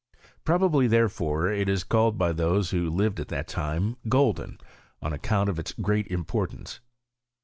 Probably, therefore, it was called by those who lived at that time, golden y on account of its great importance."